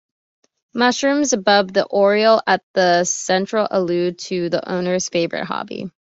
Mushrooms above the oriel at the center allude to the owner's favorite hobby.